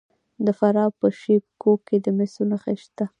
د فراه په شیب کوه کې د مسو نښې شته.